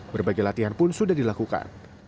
berbagai latihan pun sudah dilakukan